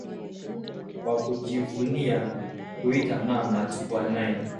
Wa kujivunia kuita mama hatukuwa naye